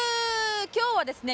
今日はですね